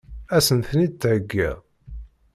Ad sen-tent-id-theggiḍ?